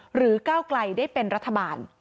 ก้าวไกลได้เป็นรัฐบาล